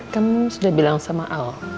kamu sudah bilang sama al